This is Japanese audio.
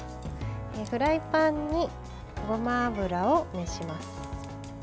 フライパンに、ごま油を熱します。